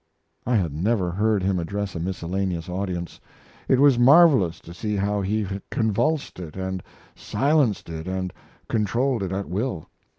I had never heard him address a miscellaneous audience. It was marvelous to see how he convulsed it, and silenced it, and controlled it at will.